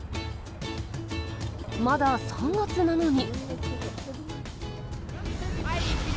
まだ３月なのに。